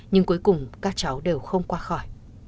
nhưng cuối cùng các cháu đều không qua khỏi